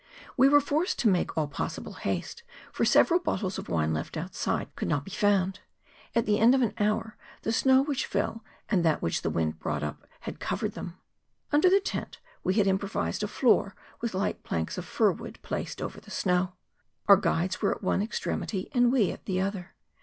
We were forced to make all possible haste, for several bottles of wine left outside could not be found; at the end of an hour the snow which fell and that which the wind brought up had covered them. Under the tent we had improvised a floor with light planks of fir wood placed over the snow. Our guides were at one extremity, and we at the other.